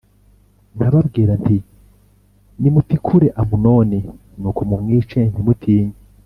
nkababwira nti ‘Nimutikure Amunoni’, nuko mumwice ntimutinye.